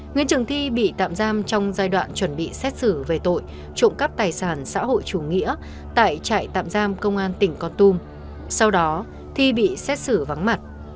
nguyễn trường thi bị tạm giam trong giai đoạn chuẩn bị xét xử về tội trộm cắp tài sản xã hội chủ nghĩa tại trại tạm giam công an tỉnh con tum sau đó thi bị xét xử vắng mặt